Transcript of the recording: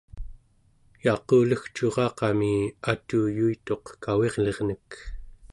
yaqulegcuraqami atuyuituq kavirlinek